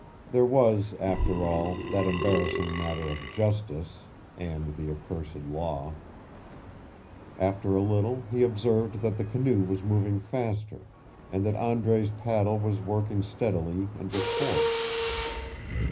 There was, after all, that embarrassing matter of justice and the accursed Law! After a little he observed that the canoe was moving faster, and that Andre's paddle was working steadily and with force.